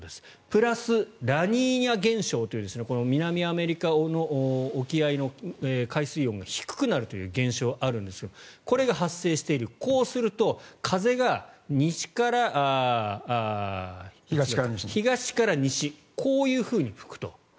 プラス、ラニーニャ現象という南アメリカの沖合の海水温が低くなるという現象があるんですがこれが発生しているこうすると風が東から西こういうふうに吹くと。